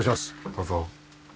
どうぞ。